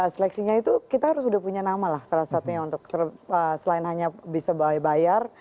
seleksinya itu kita harus sudah punya nama lah salah satunya untuk selain hanya bisa bayar